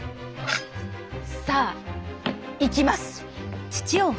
さあいきます！